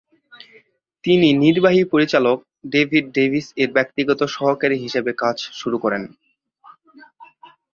তিনি নির্বাহী পরিচালক ডেভিড ডেভিস এর ব্যক্তিগত সহকারী হিসেবে কাজ শুরু করেন।